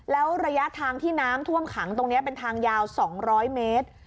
แล้วระยะทางที่น้ำท่วมขังตรงนี้เป็นทางยาว๒๐๐เมตร